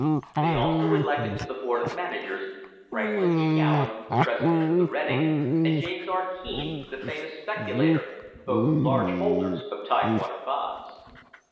They also elected to the Board of Managers, Franklin B. Gowen, the president of the Reading, and James R. Keene, the famous speculator, both large holders of Tidewater bonds.